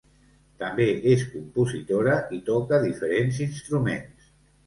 També és compositora i toca diferents instruments.